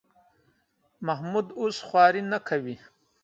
محمود اوس خواري نه کوي.